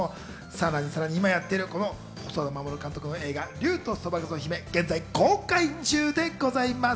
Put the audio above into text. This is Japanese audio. さらに今やっている細田守監督の映画『竜とそばかすの姫』は現在公開中でございます。